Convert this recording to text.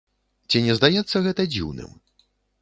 Ці не здаецца гэта дзіўным?